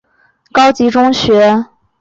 经营云林县私立维多利亚实验高级中学。